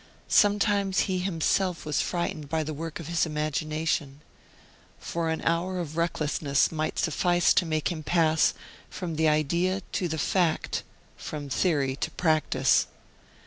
Sometimes he himself was frightened by the work of his imagination: for an hour of recklessness might suffice to make him pass from the idea to the fact, from theory to practise.